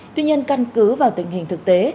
tuy nhiên căn cứ vào tình hình thực tế